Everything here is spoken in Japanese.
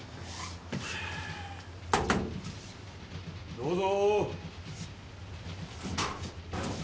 どうぞー。